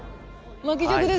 巻き尺です。